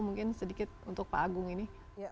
mungkin sedikit untuk pak agung ini